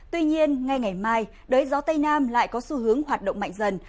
tuy nhiên ngay ngày mai đới gió tây nam lại có xu hướng hoạt động mạnh dần